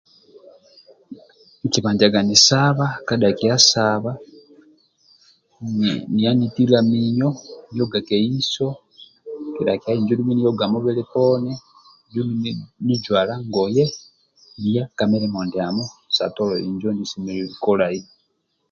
Nkibanjaga nisaba kidhakia saba niya nitila minyo nioga keiso kidhakia injo nioga mubili poni dumbi nijwala ngoye niya ka milimo ndiamo sa tolo injo ndie nisemlelelu kolai